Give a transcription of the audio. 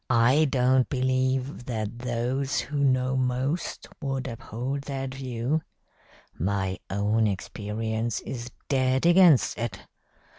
I don't believe that those who know most would uphold that view. My own experience is dead against it.